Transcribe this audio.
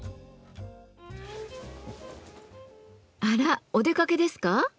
あらお出かけですか？